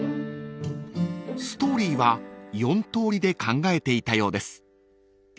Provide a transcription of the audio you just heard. ［ストーリーは４通りで考えていたようです］